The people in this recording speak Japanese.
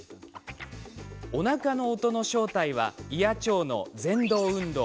おなかの音の正体は胃や腸の、ぜん動運動。